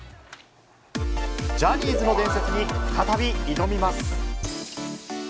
ジャニーズの伝説に再び挑みます。